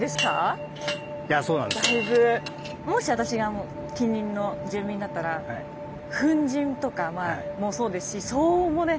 もし私が近隣の住民だったら粉じんとかもそうですし騒音もね